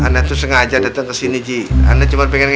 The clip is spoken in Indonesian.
paku paku dicabutin dong